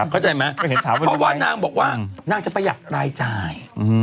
เข้าใจไหมเพราะว่านางบอกว่านางจะประหยัดรายจ่าย